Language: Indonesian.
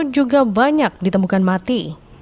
juga banyak ditemukan mati